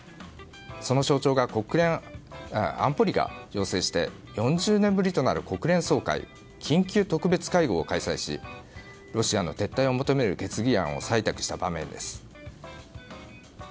その象徴が安保理が要請して４０年ぶりとなる国連総会緊急特別会合を開催しロシアの撤退を求める決議案を採択した場面です。